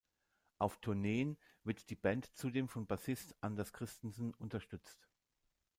Auf Tourneen wird die Band zudem von Bassist Anders Christensen unterstützt.